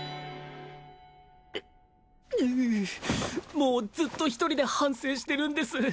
もうずっと一人で反省してるんです